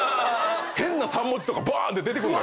変な３文字とかばーんって出てくんの。